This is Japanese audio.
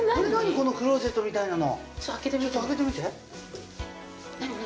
このクローゼットみたいなの開けてみて何？